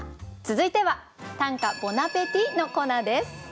続いては「短歌ボナペティ」のコーナーです。